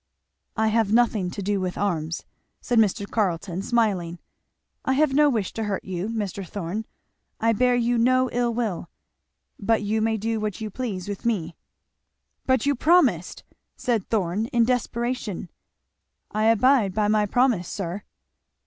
"I have nothing to do with arms," said Mr. Carleton smiling; "I have no wish to hurt you, Mr. Thorn; I bear you no ill will. But you may do what you please with me." "But you promised!" said Thorn in desperation. "I abide by my promise, sir."